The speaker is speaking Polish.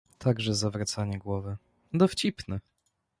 "Także zawracanie głowy... Dowcipny!"